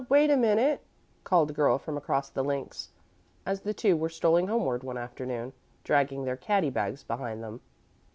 Wait a minute," called a girl from across the links, as the two were strolling homeward one afternoon, dragging their caddie bags behind them.